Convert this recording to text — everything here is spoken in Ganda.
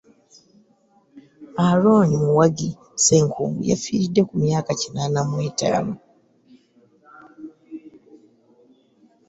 Aaron Mawagi Ssenkungu yafiiridde ku myaka kinaana mu ttaano.